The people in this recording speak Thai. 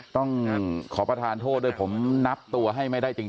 ต้องขอประทานโทษด้วยผมนับตัวให้ไม่ได้จริง